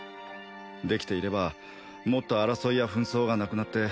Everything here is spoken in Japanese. できていればもっと争いや紛争がなくなって